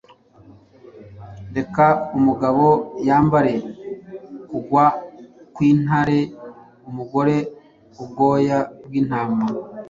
Reka umugabo yambare kugwa kwintare, umugore ubwoya bwintama.